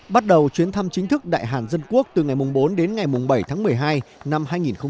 bắt đầu chuyến thăm chính thức đại hàn dân quốc từ ngày bốn đến ngày bảy tháng một mươi hai năm hai nghìn một mươi chín